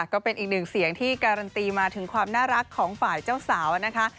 ก็เป็นอีกหนึ่งเสียงที่การันตีมาถึงความน่ารักของฝ่ายเจ้าสาวนะคะ